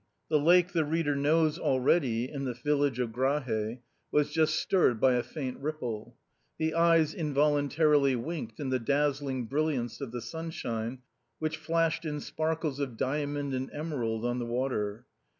The lake the reader knows already in the village of Grahae was just stirred by a faint ripple. The eyes involuntarily winked in the dazzling brilliance of the sunshine which flashed in sparkles of diamond and emerald on the water.